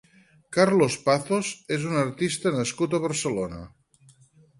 Carlos Pazos és un artista nascut a Barcelona.